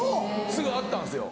すぐあったんですよ。